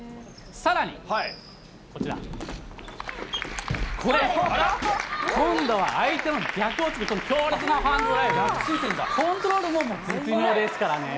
さらにこちら、これ、今度は相手の逆をつく、この強烈なフォアハンドで、コントロールも絶妙ですからね。